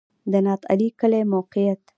د نادعلي کلی موقعیت